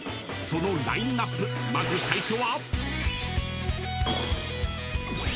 ［そのラインアップまず最初は］